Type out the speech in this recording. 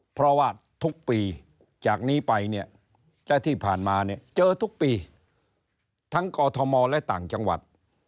เพราะว่าทุกปีจากนี้ไปเนี่ยแต่ที่ผ่านมาเนี่ยเจอทุกปีทั้งกอทมและต่างจังหวัด